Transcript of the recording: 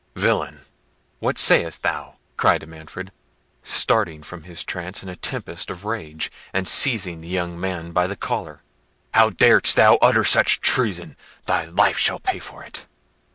"Villain! What sayest thou?" cried Manfred, starting from his trance in a tempest of rage, and seizing the young man by the collar; "how darest thou utter such treason? Thy life shall pay for it."